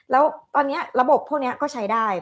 แล้วตอนนี้ระบบพวกนี้ก็ใช้ได้